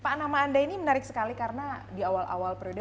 pak nama anda ini menarik sekali karena di awal awal periode